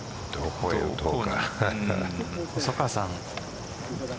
細川さん。